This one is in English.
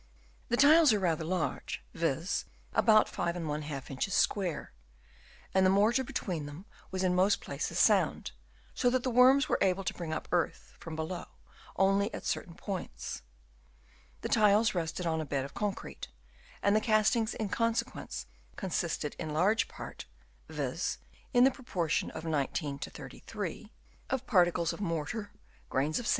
The tiles are rather large, viz., about 5i inches square, and the mortar between them was in most places sound, so that the worms were able to bring up earth from below only at certain points. The tiles rested on a bed of concrete, and the castings in consequence con sisted in large part (viz., in the proportion of 19 to 33) of particles of mortar, grains of p 2 198 BURIAL OF THE REMAINS Chap.